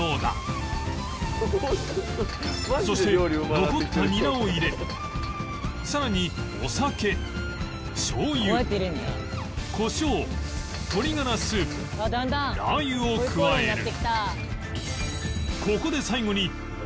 そして残ったニラを入れさらにお酒しょうゆコショウ鶏ガラスープラー油を加える